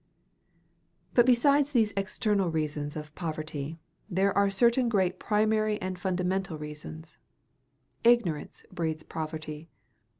But besides these external reasons of poverty, there are certain great primary and fundamental reasons. Ignorance breeds poverty.